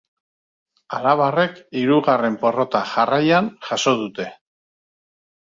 Arabarrek hirugarren porrota jarraian jaso dute.